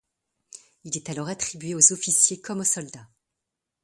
Il est alors attribué aux officiers comme aux soldats.